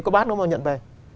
có bát nó mà nhận về